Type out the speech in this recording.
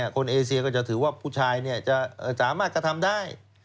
เอเซียก็จะถือว่าผู้ชายจะสามารถกระทำได้